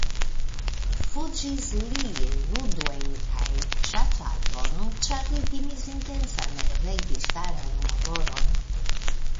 Fuĝis li en ludojn kaj ĉasadon ĉar li timis intensan registaran laboron.